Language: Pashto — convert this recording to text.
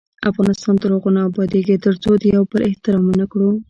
افغانستان تر هغو نه ابادیږي، ترڅو د یو بل احترام ونه کړو.